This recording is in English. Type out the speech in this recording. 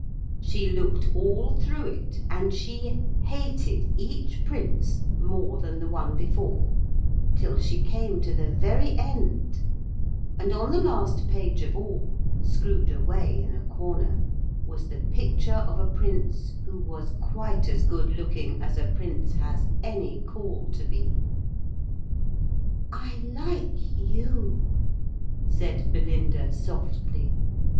She looked all through it, and she hated each prince more than the one before till she came to the very end, and on the last page of all, screwed away in a corner, was the picture of a prince who was quite as good looking as a prince has any call to be. 'I like you,' said Belinda softly.